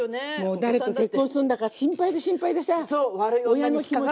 誰と結婚すんだか心配で心配でさ親の気持ち。